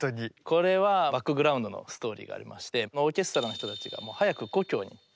これはバックグラウンドのストーリーがありましてオーケストラの人たちがもう早く故郷に帰りたいと。